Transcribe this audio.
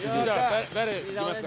誰いきますか？